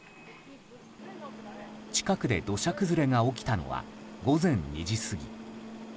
近くで土砂崩れが起きたのは午前２時過ぎ。